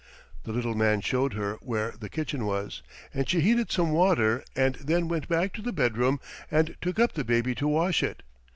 The little man showed her where the kitchen was, and she heated some water and then went back to the bedroom and took up the baby to wash it.